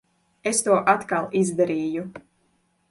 Es to atkal izdarīju.